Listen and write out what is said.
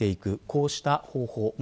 こうした方法。